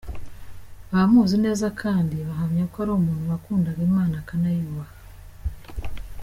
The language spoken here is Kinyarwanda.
Abamuzi neza kandi bahamya ko ari umuntu wakundaga Imana akanayubaha.